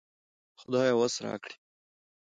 خدايه وس راکړې